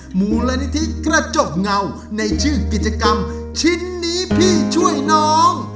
มูลนิธิกระจกเงาในชื่อกิจกรรมชิ้นนี้พี่ช่วยน้อง